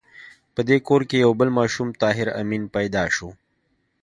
په دې کور کې بل ماشوم طاهر آمین پیدا شو